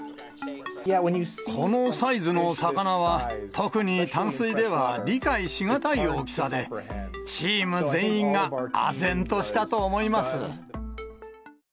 このサイズの魚は、特に淡水では理解し難い大きさで、チーム全員があぜんとしたと思います。